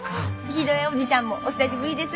ヒデオ叔父ちゃんもお久しぶりです。